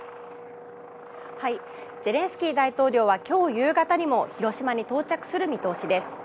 ゼレンスキー大統領は今日夕方にも広島に到着する見通しです。